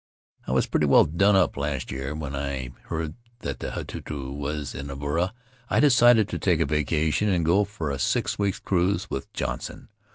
"I was pretty well done up last year, and when I heard that the Hatutu was at Avarua I decided to take a vacation and go for a six weeks' cruise with Johnson.